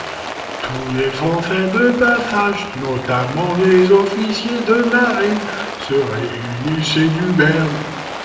Tous les Français de passage, notamment les officiers de marine, se réunissent chez Dubern.